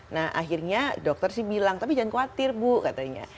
nah akhirnya dokter sih bilang tapi jangan khawatir bu katanya